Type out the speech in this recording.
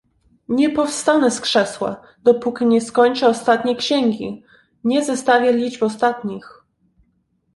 "Nie powstanę z krzesła, dopóki nie skończę ostatniej księgi, nie zestawię liczb ostatnich."